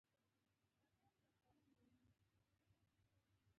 البته نن سبا مسألې شدت کم شوی